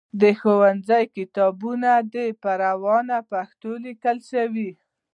د ښوونځیو کتابونه دي په روانه پښتو ولیکل سي.